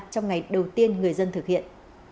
trong ngày đầu tiên người dân thực hiện